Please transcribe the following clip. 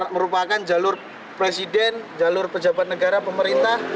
merupakan jalur presiden jalur pejabat negara pemerintah